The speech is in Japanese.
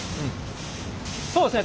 そうですね